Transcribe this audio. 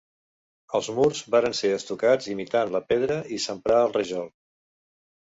Els murs varen ser estucats imitant la pedra i s'emprà el rajol.